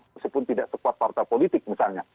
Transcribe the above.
meskipun tidak sekuat partai politik misalnya